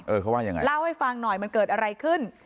เขาว่ายังไงเล่าให้ฟังหน่อยมันเกิดอะไรขึ้น